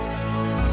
kami menghukum anakku